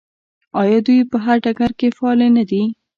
آیا دوی په هر ډګر کې فعالې نه دي؟